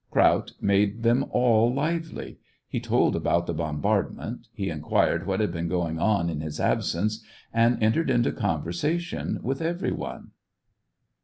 Kraut made them all lively ; he told about the bombardment, he inquired what had been going on in his absence, and entered into conversation with every one.